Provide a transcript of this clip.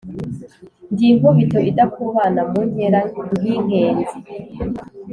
Ndi Inkubito idakubana mu nkera nk' inkenzi